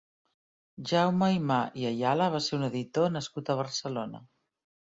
Jaume Aymà i Ayala va ser un editor nascut a Barcelona.